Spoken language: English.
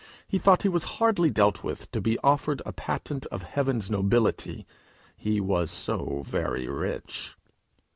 He thought he was hardly dealt with to be offered a patent of Heaven's nobility he was so very rich!